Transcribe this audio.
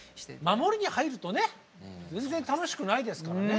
守りに入るとね全然楽しくないですからね。